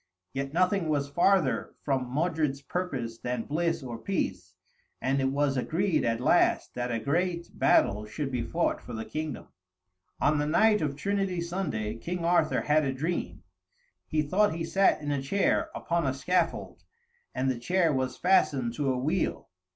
Yet nothing was farther from Modred's purpose than bliss or peace, and it was agreed at last that a great battle should be fought for the kingdom. On the night of Trinity Sunday, King Arthur had a dream. He thought he sat in a chair, upon a scaffold, and the chair was fastened to a wheel.